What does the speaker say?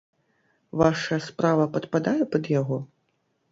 Ваша справа падпадае пад яго?